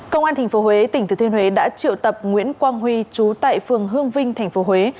công an tp huế tỉnh thừa thiên huế đã triệu tập nguyễn quang huy chú tại phường hương vinh tp huế